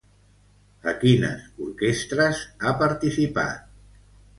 A quines orquestres ha participat?